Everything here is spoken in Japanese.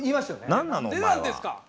何でなんですか！